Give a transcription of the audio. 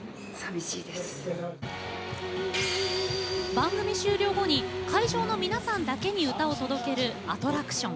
番組終了後に会場の皆さんだけに歌を届けるアトラクション。